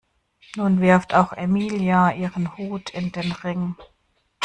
Nun wirft auch Emilia ihren Hut in den Ring.